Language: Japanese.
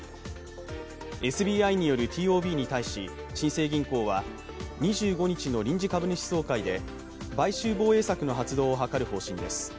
ＳＢＩによるＴＯＢに対し、新生銀行は２５日の臨時株主総会で買収防衛策の発動を諮る方針です。